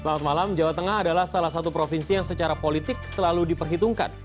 selamat malam jawa tengah adalah salah satu provinsi yang secara politik selalu diperhitungkan